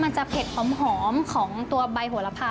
มันจะเผ็ดหอมของตัวใบหัวระพา